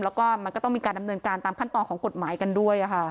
แล้วก็มันก็ต้องมีการดำเนินการตามขั้นตอนของกฎหมายกันด้วย